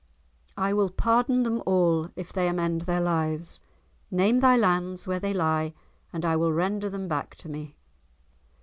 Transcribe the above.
"I will pardon them all if they amend their lives. Name thy lands where they lie, and I will render them back to thee."